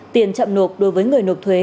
tiền chậm nộp đối với người nộp thuế